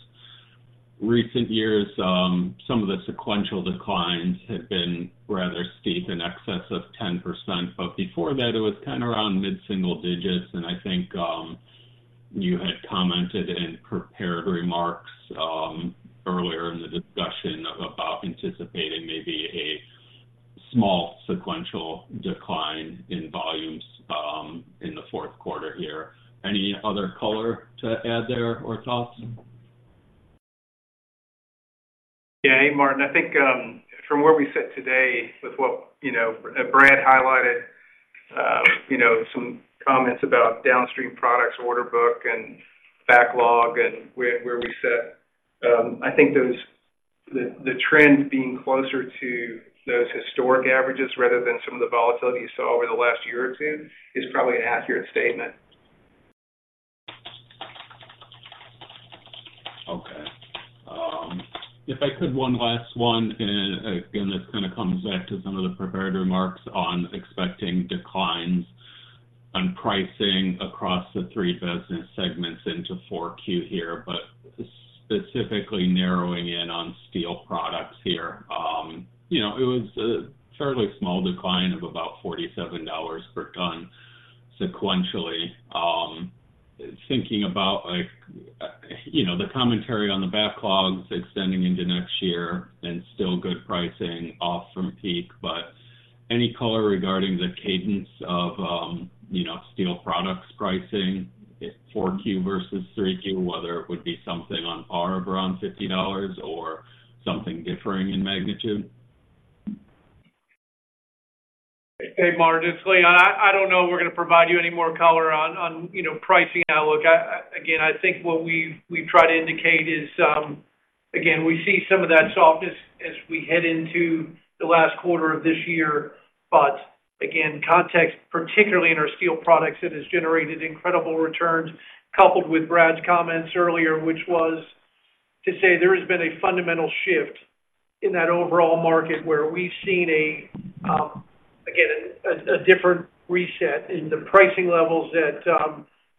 Recent years, some of the sequential declines have been rather steep, in excess of 10%, but before that it was kind of around mid-single digits. And I think, you had commented in prepared remarks, earlier in the discussion about anticipating maybe a small sequential decline in volumes, in the fourth quarter here. Any other color to add there or thoughts? Yeah. Hey, Martin. I think, from where we sit today, with what, you know, Brad highlighted, you know, some comments about downstream products, order book and backlog and where we sit. I think those, the trend being closer to those historic averages rather than some of the volatility you saw over the last year or two, is probably an accurate statement. Okay. If I could, one last one, and again, this kind of comes back to some of the prepared remarks on expecting declines on pricing across the three business segments into Q4 here, but specifically narrowing in on steel products here. You know, it was a fairly small decline of about $47 per ton sequentially. Thinking about, like, you know, the commentary on the backlogs extending into next year and still good pricing off from peak, but any color regarding the cadence of, you know, steel products pricing, Q4 versus Q3, whether it would be something on par around $50 or something differing in magnitude? Hey, Martin, it's Leon. I don't know if we're going to provide you any more color on you know pricing outlook. I again think what we've tried to indicate is again we see some of that softness as we head into the last quarter of this year. But again, context, particularly in our steel products, it has generated incredible returns, coupled with Brad's comments earlier, which was to say there has been a fundamental shift in that overall market, where we've seen a again a different reset in the pricing levels that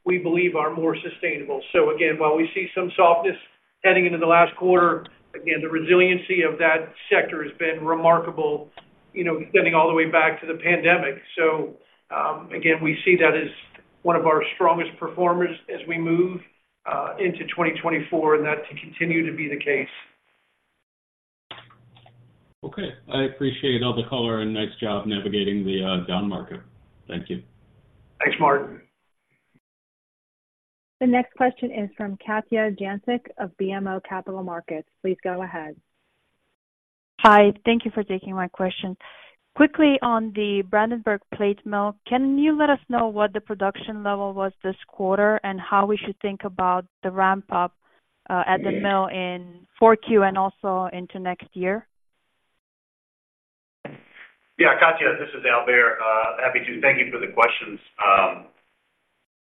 we believe are more sustainable. So again, while we see some softness heading into the last quarter, again the resiliency of that sector has been remarkable, you know, extending all the way back to the pandemic. So, again, we see that as one of our strongest performers as we move into 2024, and that to continue to be the case. Okay. I appreciate all the color and nice job navigating the down market. Thank you. Thanks, Martin. The next question is from Katja Jancic of BMO Capital Markets. Please go ahead. Hi. Thank you for taking my question. Quickly on the Brandenburg plate mill, can you let us know what the production level was this quarter and how we should think about the ramp up at the mill in 4Q and also into next year? Yeah, Katja, this is Al Behr. Happy to thank you for the questions.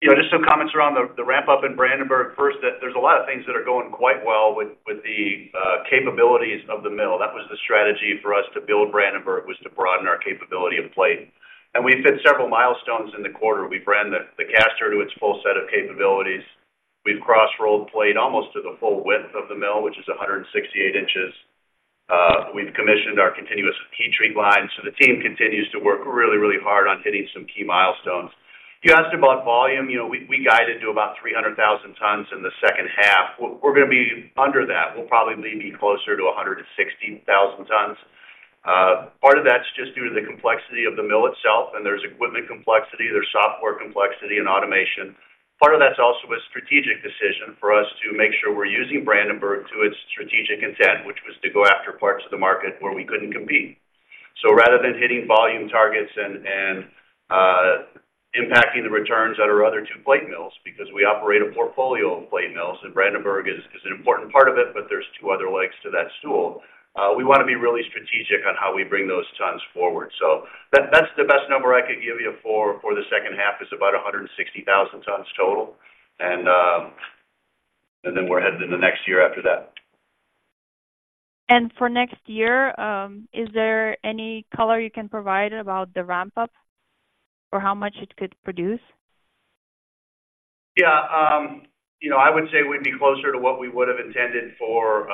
You know, just some comments around the ramp up in Brandenburg. First, that there's a lot of things that are going quite well with the capabilities of the mill. That was the strategy for us to build Brandenburg, was to broaden our capability of plate. And we hit several milestones in the quarter. We ran the caster to its full set of capabilities. We've cross-rolled plate almost to the full width of the mill, which is 168 inches. We've commissioned our continuous heat treat line, so the team continues to work really, really hard on hitting some key milestones. You asked about volume. You know, we guided to about 300,000 tons in the second half. We're going to be under that. We'll probably be closer to 160,000 tons. Part of that's just due to the complexity of the mill itself, and there's equipment complexity, there's software complexity and automation. Part of that's also a strategic decision for us to make sure we're using Brandenburg to its strategic intent, which was to go after parts of the market where we couldn't compete. So rather than hitting volume targets and impacting the returns at our other two plate mills, because we operate a portfolio of plate mills, and Brandenburg is an important part of it, but there's two other legs to that stool. We want to be really strategic on how we bring those tons forward. So that's the best number I could give you for the second half, is about 160,000 tons total. And then we're headed into the next year after that. For next year, is there any color you can provide about the ramp up or how much it could produce? Yeah, you know, I would say we'd be closer to what we would have intended for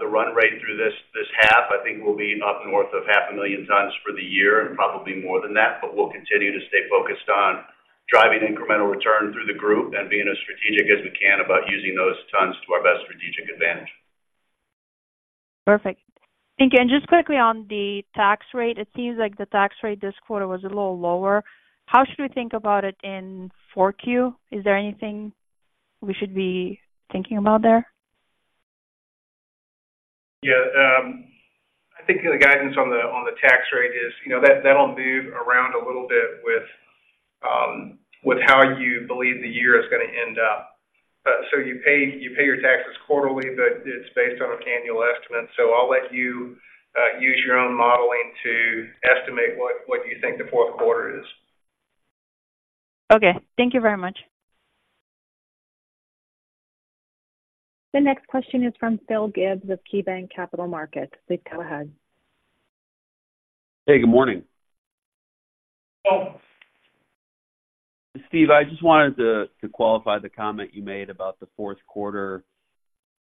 the run rate through this, this half. I think we'll be up north of 500,000 tons for the year, and probably more than that. But we'll continue to stay focused on driving incremental return through the group and being as strategic as we can about using those tons to our best strategic advantage.... Perfect. Thank you. Just quickly on the tax rate, it seems like the tax rate this quarter was a little lower. How should we think about it in 4Q? Is there anything we should be thinking about there? Yeah, I think the guidance on the tax rate is, you know, that, that'll move around a little bit with how you believe the year is gonna end up. So you pay your taxes quarterly, but it's based on an annual estimate. So I'll let you use your own modeling to estimate what you think the fourth quarter is. Okay. Thank you very much. The next question is from Phil Gibbs of KeyBanc Capital Markets. Please go ahead. Hey, good morning. Hello. Steve, I just wanted to qualify the comment you made about the fourth quarter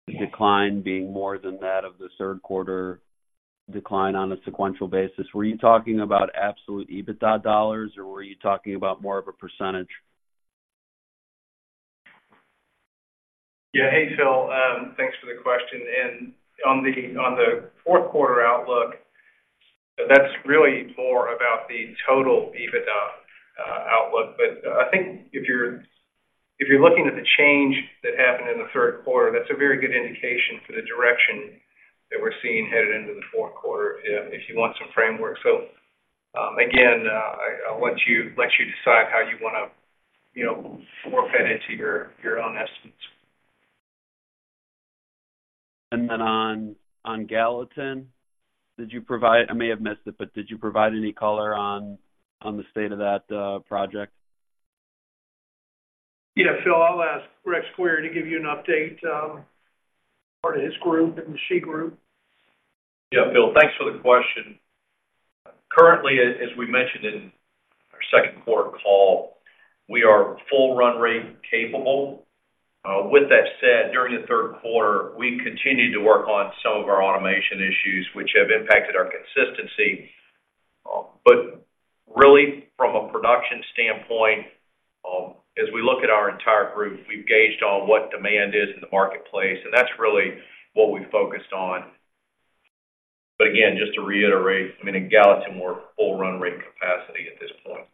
decline being more than that of the third quarter decline on a sequential basis. Were you talking about absolute EBITDA dollars, or were you talking about more of a percentage? Yeah. Hey, Phil, thanks for the question. And on the fourth quarter outlook, that's really more about the total EBITDA outlook. But I think if you're looking at the change that happened in the third quarter, that's a very good indication for the direction that we're seeing headed into the fourth quarter, if you want some framework. So, again, I'll let you decide how you wanna, you know, factor into your own estimates. And then on Gallatin, did you provide? I may have missed it, but did you provide any color on the state of that project? Yeah, Phil, I'll ask Rex Query to give you an update, part of his group, the sheet group. Yeah, Phil, thanks for the question. Currently, as we mentioned in our second quarter call, we are full run rate capable. With that said, during the third quarter, we continued to work on some of our automation issues, which have impacted our consistency. But really, from a production standpoint, as we look at our entire group, we've gauged on what demand is in the marketplace, and that's really what we focused on. But again, just to reiterate, I mean, in Gallatin, we're full run rate capacity at this point.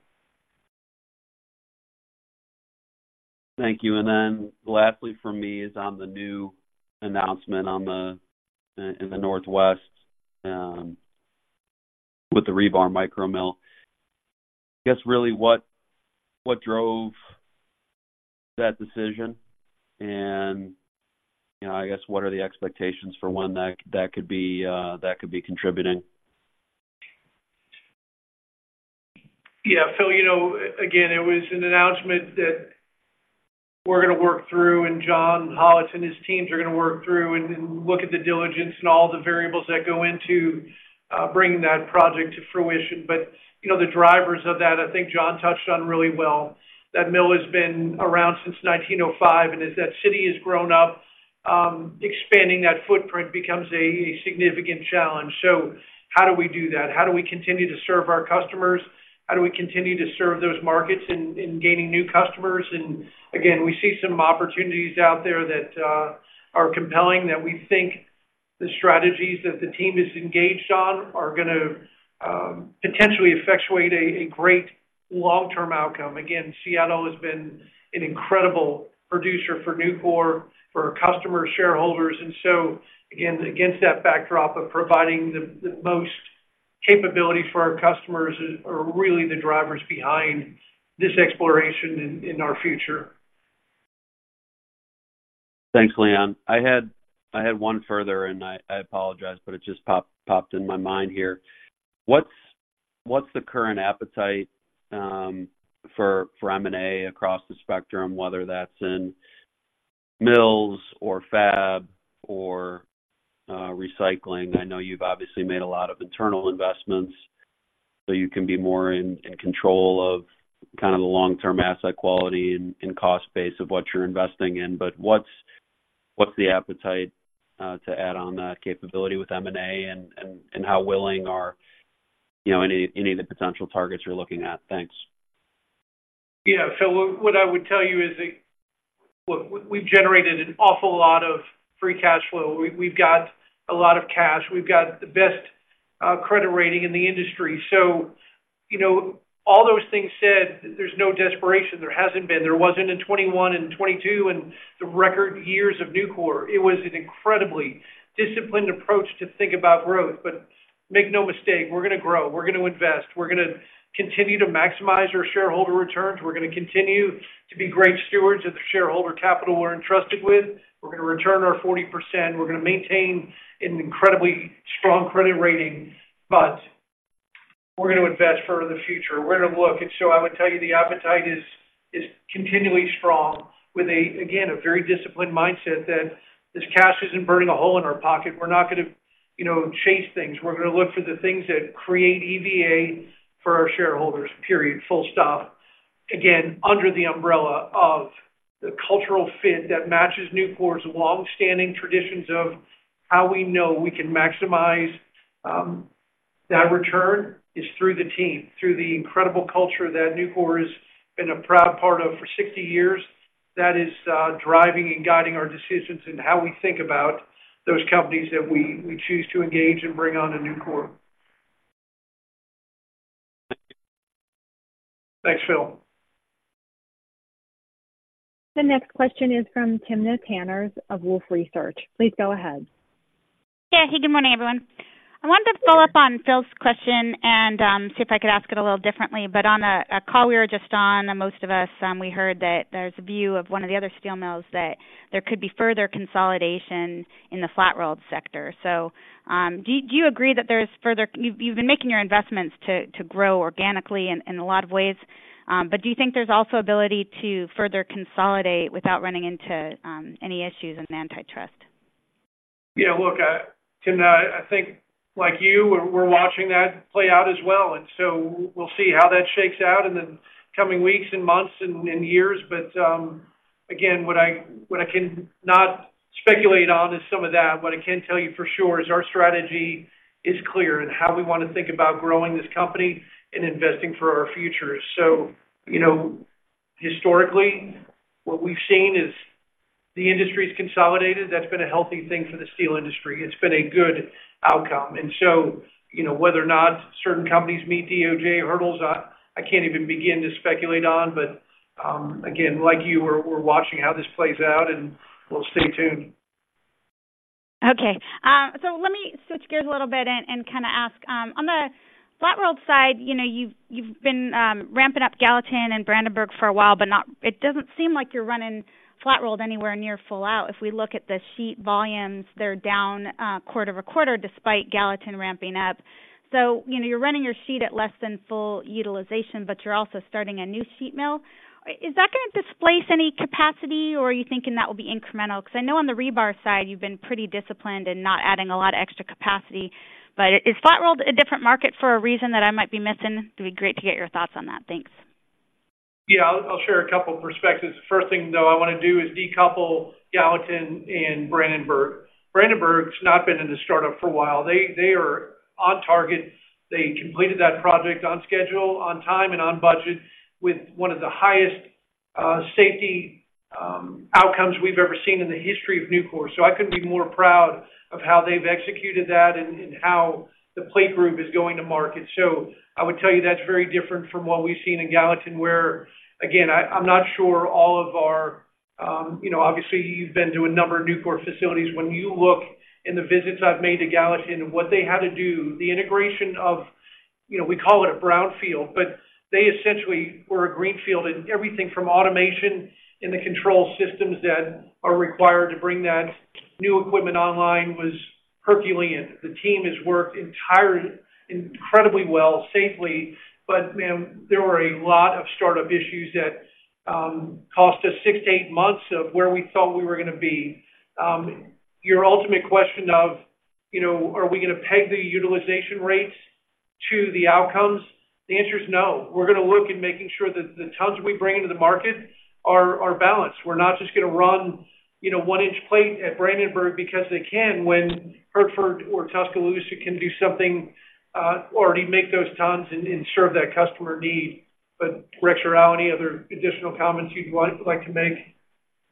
Thank you. And then lastly for me is on the new announcement on the in the Northwest with the rebar micro mill. I guess, really, what, what drove that decision? And, you know, I guess, what are the expectations for when that, that could be, that could be contributing? Yeah, Phil, you know, again, it was an announcement that we're gonna work through, and John Hollatz and his teams are gonna work through and look at the diligence and all the variables that go into bringing that project to fruition. But, you know, the drivers of that, I think John touched on really well. That mill has been around since 1905, and as that city has grown up, expanding that footprint becomes a significant challenge. So how do we do that? How do we continue to serve our customers? How do we continue to serve those markets and gaining new customers? And again, we see some opportunities out there that are compelling, that we think the strategies that the team is engaged on are gonna potentially effectuate a great long-term outcome. Again, Seattle has been an incredible producer for Nucor, for our customers, shareholders. And so, again, against that backdrop of providing the most capability for our customers are really the drivers behind this exploration in our future. Thanks, Leon. I had one further, and I apologize, but it just popped in my mind here. What's the current appetite for M&A across the spectrum, whether that's in mills or fab or recycling? I know you've obviously made a lot of internal investments, so you can be more in control of kind of the long-term asset quality and cost base of what you're investing in. But what's the appetite to add on that capability with M&A, and how willing are, you know, any of the potential targets you're looking at? Thanks. Yeah. So what, what I would tell you is that we, we've generated an awful lot of free cash flow. We've, we've got a lot of cash. We've got the best credit rating in the industry. So, you know, all those things said, there's no desperation. There hasn't been. There wasn't in 2021 and 2022 and the record years of Nucor. It was an incredibly disciplined approach to think about growth. But make no mistake, we're gonna grow, we're gonna invest, we're gonna continue to maximize our shareholder returns. We're gonna continue to be great stewards of the shareholder capital we're entrusted with. We're gonna return our 40%. We're gonna maintain an incredibly strong credit rating, but we're gonna invest for the future. We're gonna look, and so I would tell you the appetite is continually strong with, again, a very disciplined mindset that this cash isn't burning a hole in our pocket. We're not gonna, you know, chase things. We're gonna look for the things that create EVA for our shareholders, period. Full stop. Again, under the umbrella of the cultural fit that matches Nucor's long-standing traditions of how we know we can maximize. That return is through the team, through the incredible culture that Nucor has been a proud part of for 60 years. That is driving and guiding our decisions and how we think about those companies that we choose to engage and bring on to Nucor. Thanks, Phil. The next question is from Timna Tanners of Wolfe Research. Please go ahead. Yeah. Hey, good morning, everyone. I wanted to follow up on Phil's question and see if I could ask it a little differently. But on a call we were just on, and most of us, we heard that there's a view of one of the other steel mills that there could be further consolidation in the flat-rolled sector. So, do you agree that there's further. You've been making your investments to grow organically in a lot of ways. But do you think there's also ability to further consolidate without running into any issues in antitrust? Yeah, look, Timna, I think, like you, we're watching that play out as well, and so we'll see how that shakes out in the coming weeks and months and years. But again, what I cannot speculate on is some of that. What I can tell you for sure is our strategy is clear in how we wanna think about growing this company and investing for our future. So, you know, historically, what we've seen is the industry's consolidated. That's been a healthy thing for the steel industry. It's been a good outcome. And so, you know, whether or not certain companies meet DOJ hurdles, I can't even begin to speculate on, but again, like you, we're watching how this plays out, and we'll stay tuned. Okay, so let me switch gears a little bit and kind of ask on the flat-rolled side, you know, you've been ramping up Gallatin and Brandenburg for a while, but not. It doesn't seem like you're running flat-rolled anywhere near full-out. If we look at the sheet volumes, they're down quarter-over-quarter, despite Gallatin ramping up. So you know, you're running your sheet at less than full utilization, but you're also starting a new sheet mill. Is that gonna displace any capacity, or are you thinking that will be incremental? Because I know on the rebar side, you've been pretty disciplined in not adding a lot of extra capacity. But is flat-rolled a different market for a reason that I might be missing? It'd be great to get your thoughts on that. Thanks. Yeah, I'll share a couple of perspectives. First thing, though, I wanna do is decouple Gallatin and Brandenburg. Brandenburg's not been in the startup for a while. They are on target. They completed that project on schedule, on time, and on budget, with one of the highest safety outcomes we've ever seen in the history of Nucor. So I couldn't be more proud of how they've executed that and how the plate group is going to market. So I would tell you that's very different from what we've seen in Gallatin, where, again, I, I'm not sure all of our... You know, obviously, you've been to a number of Nucor facilities. When you look in the visits I've made to Gallatin and what they had to do, the integration of, you know, we call it a brownfield, but they essentially were a greenfield, and everything from automation in the control systems that are required to bring that new equipment online was herculean. The team has worked entirely, incredibly well, safely, but, ma'am, there were a lot of startup issues that cost us six-eight months of where we thought we were gonna be. Your ultimate question of, you know, are we gonna peg the utilization rates to the outcomes? The answer is no. We're gonna look in making sure that the tons we bring into the market are, are balanced. We're not just gonna run, you know, one-inch plate at Brandenburg because they can when Hertford or Tuscaloosa can do something, or already make those tons and, and serve that customer need. But Rex or Al, any other additional comments you'd like, like to make?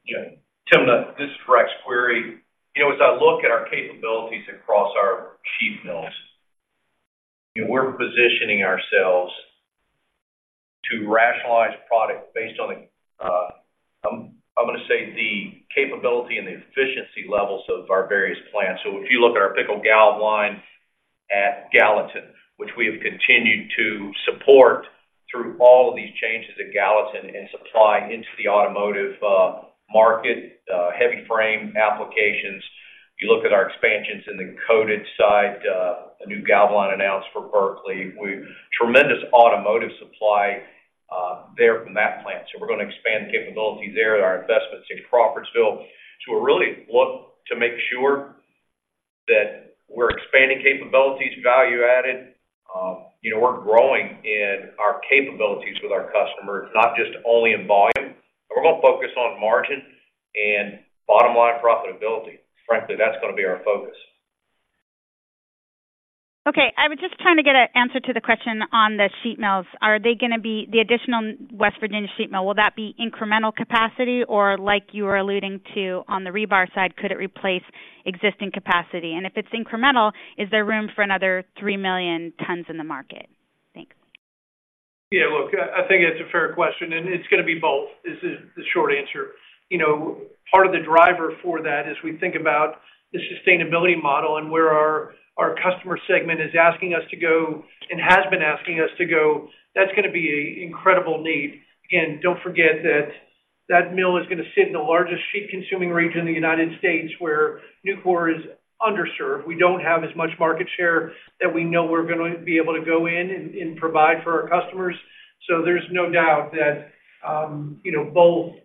Yeah, Timna, this is Rex Query. You know, as I look at our capabilities across our sheet mills, we're positioning ourselves to rationalize product based on the, I'm gonna say, the capability and the efficiency levels of our various plants. So if you look at our Pickle Galv line at Gallatin, which we have continued to support through all of these changes at Gallatin and supply into the automotive market, heavy frame applications. You look at our expansions in the coated side, a new galv line announced for Berkeley. We've tremendous automotive supply there from that plant. So we're gonna expand capabilities there and our investments in Crawfordsville. So we're really look to make sure that we're expanding capabilities, value added. You know, we're growing in our capabilities with our customers, not just only in volume. We're gonna focus on margin and bottom-line profitability. Frankly, that's gonna be our focus. Okay. I was just trying to get an answer to the question on the sheet mills. Are they gonna be... The additional West Virginia sheet mill, will that be incremental capacity? Or like you were alluding to on the rebar side, could it replace existing capacity? And if it's incremental, is there room for another 3 million tons in the market? Thanks. Yeah, look, I think it's a fair question, and it's gonna be both, is the short answer. You know, part of the driver for that is we think about the sustainability model and where our customer segment is asking us to go and has been asking us to go. That's gonna be an incredible need. Again, don't forget that that mill is gonna sit in the largest sheet-consuming region in the United States, where Nucor is underserved. We don't have as much market share that we know we're gonna be able to go in and provide for our customers. So there's no doubt that, you know, both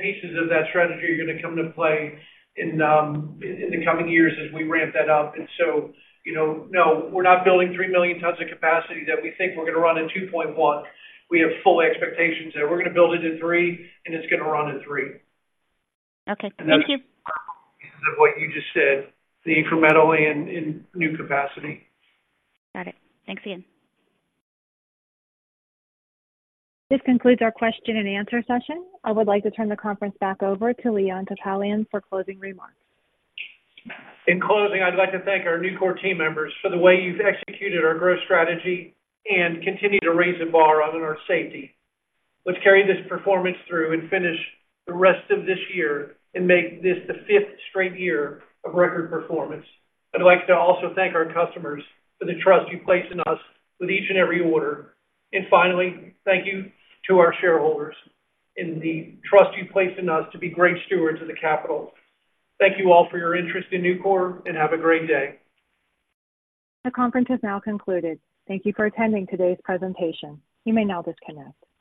pieces of that strategy are gonna come into play in the coming years as we ramp that up. And so, you know, no, we're not building 3 million tons of capacity that we think we're gonna run at 2.1. We have full expectations there. We're gonna build it at three, and it's gonna run at three. Okay. Thank you. Because of what you just said, the incrementally and new capacity. Got it. Thanks again. This concludes our question-and-answer session. I would like to turn the conference back over to Leon Topalian for closing remarks. In closing, I'd like to thank our Nucor team members for the way you've executed our growth strategy and continued to raise the bar on our safety. Let's carry this performance through and finish the rest of this year and make this the fifth straight year of record performance. I'd like to also thank our customers for the trust you place in us with each and every order. And finally, thank you to our shareholders and the trust you place in us to be great stewards of the capital. Thank you all for your interest in Nucor, and have a great day. The conference has now concluded. Thank you for attending today's presentation. You may now disconnect.